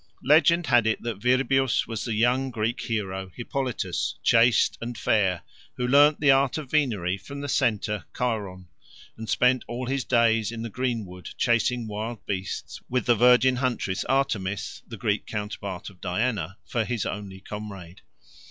Legend had it that Virbius was the young Greek hero Hippolytus, chaste and fair, who learned the art of venery from the centaur Chiron, and spent all his days in the greenwood chasing wild beasts with the virgin huntress Artemis (the Greek counterpart of Diana) for his only comrade.